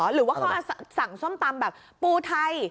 หรือว่าเขาสั่งส้มตำแบบปูไทย